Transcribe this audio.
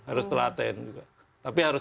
harus telaten juga tapi harus